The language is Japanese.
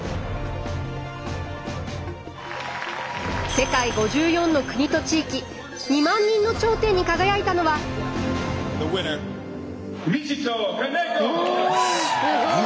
世界５４の国と地域２万人の頂点に輝いたのは。わすごい。